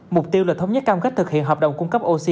mục tiêu là thống nhất cam kết thực hiện hợp đồng cung cấp oxy